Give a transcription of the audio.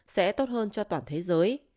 sẽ tốt hơn cho toàn thế giới